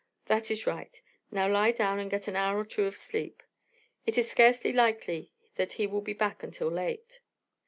That is right. Now lie down and get an hour or two of sleep; it is scarce likely that he will be back until late.